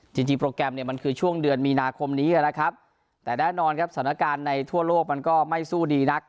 จริงโปรแกรมเนี่ยมันคือช่วงเดือนมีนาคมนี้นะครับแต่แน่นอนครับสถานการณ์ในทั่วโลกมันก็ไม่สู้ดีนัก